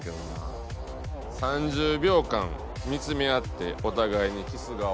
「３０秒間見つめ合ってお互いにキス顔」